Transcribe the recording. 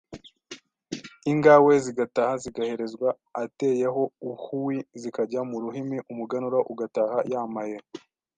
Ingae zigataha Zigaherezwa ateyeho iihui Zikajya ku ruhimi Umuganura ugataha Yamaye